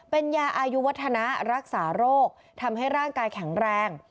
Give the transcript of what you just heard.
เป็นยาอายุวัฒนะรักษาโรคทำให้ร่างกายแข็งแรง